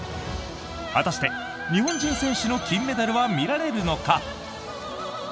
果たして日本人選手の金メダルは見られるのか。